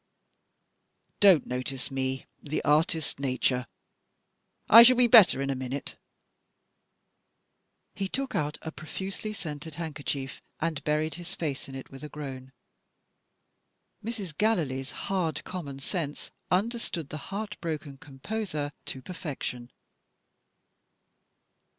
Don't notice me the artist nature I shall be better in a minute." He took out a profusely scented handkerchief, and buried his face in it with a groan. Mrs. Gallilee's hard common sense understood the heart broken composer to perfection.